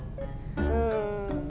うん。